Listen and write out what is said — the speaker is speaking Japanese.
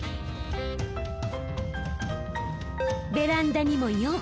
ベランダにも４。